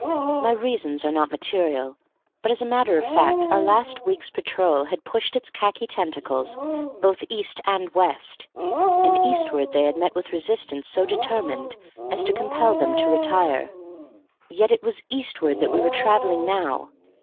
My reasons are not material, but as a matter of fact our last week's patrol had pushed its khaki tentacles both east and west; and eastward they had met with resistance so determined as to compel them to retire; yet it was eastward that we were travelling now.